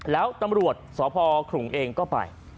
แล้วตำรวจสคเองก็ไป